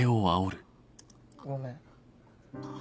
ごめん。